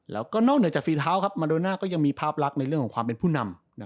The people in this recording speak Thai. แล้วก็นอกจากฟรีเท้าครับมาโดน่าก็ยังมีภาพรักในเรื่องของความเป็นผู้นำ